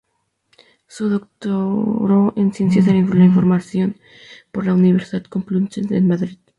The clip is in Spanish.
Se doctoró en Ciencias de la Información por la Universidad Complutense de Madrid.